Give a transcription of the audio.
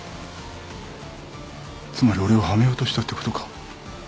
つまり俺をはめようとしたってことか？